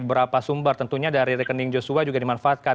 berapa sumber tentunya dari rekening joshua juga dimanfaatkan